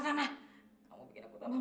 kayaknya nanti ckerempet nepati